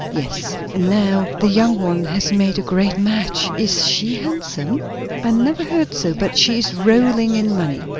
"Yes." "And now the young one has made a great match? Is she handsome?" "I never heard so. But she is rolling in money."